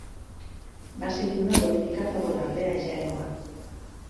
Va seguir una política favorable a Gènova.